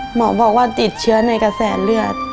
หมอบอกว่าติดเชื้อในกระแสเลือด